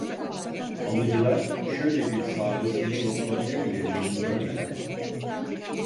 Alıcılar şöyle bir sağrısını yoklamaya bile lüzum görmeden: